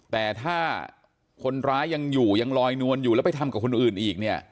แต่ถ้าคนร้ายยังอยู่ยังลอยนวลอยู่แล้วไปทำกับคนอื่นอีกเนี่ย